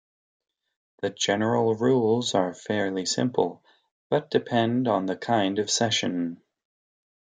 The general rules are fairly simple, but depend on the kind of session.